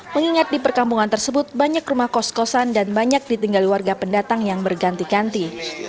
mengingat di perkampungan tersebut banyak rumah kos kosan dan banyak ditinggali warga pendatang yang berganti ganti